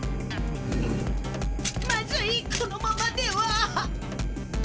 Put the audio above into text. まずいこのままでは。